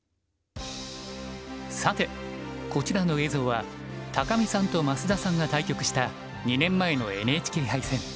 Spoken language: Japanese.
さてこちらの映像は見さんと増田さんが対局した２年前のＮＨＫ杯戦。